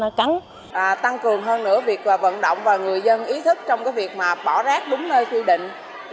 cắn tăng cường hơn nữa việc vận động và người dân ý thức trong việc bỏ rác đúng nơi quy định